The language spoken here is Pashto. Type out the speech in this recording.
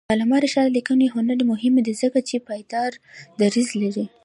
د علامه رشاد لیکنی هنر مهم دی ځکه چې پایدار دریځ لري.